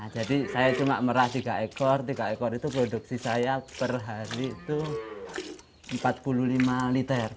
jadi saya cuma merah tiga ekor tiga ekor itu produksi saya per hari itu empat puluh lima liter